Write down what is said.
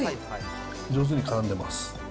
上手にからんでます。